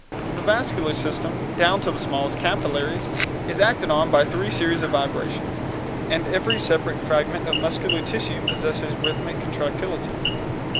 The vascular system, down to the smallest capillaries, is acted on by three series of vibrations, and every separate fragment of muscular tissue possesses rhythmic contractility.